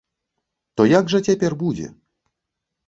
То як жа цяпер будзе?